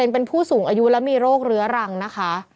เป็นผู้สูงอายุและมีโรคเรื้อรังนะคะ